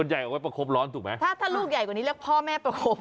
ใหญ่เอาไว้ประคบร้อนถูกไหมถ้าถ้าลูกใหญ่กว่านี้เรียกพ่อแม่ประคบ